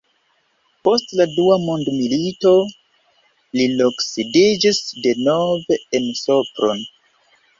Post la dua mondmilito li loksidiĝis denove en Sopron.